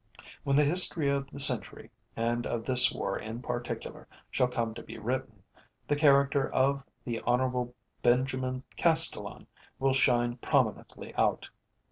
When the history of the century, and of this war in particular, shall come to be written, the character of the Honourable Benjamin Castellan will shine prominently out.